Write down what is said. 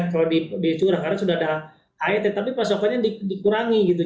kalau di curah karena sudah ada het tapi pasokannya dikurangi gitu